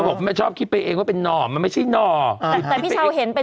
บอกแม่ชอบคิดไปเองว่าเป็นน่อมันไม่ใช่หน่อแต่แต่พี่เช้าเห็นเป็น